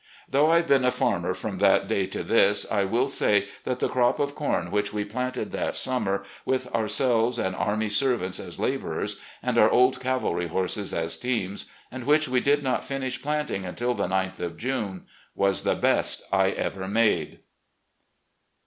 Though I have been a farmer from that day to this, I will say that the crop of com which we planted that summer, with ourselves and army servants as laborers and our old cavalry horses as teams, and which we did not finish planting imtil the 9th of J\me, was the best I ever made.